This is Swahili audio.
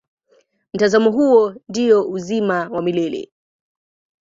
Mtazamo huo ndio uzima wa milele.